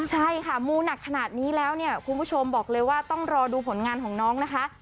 ใช่ค่ะมูหนักขนาดนี้แล้วเนี่ยคุณผู้ชมบอกเลยว่าต้องรอดูผลงานของน้องนะคะ